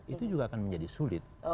itu juga akan menjadi sulit